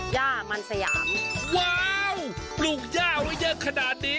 ย่ามันสยามว้าวปลูกย่าไว้เยอะขนาดนี้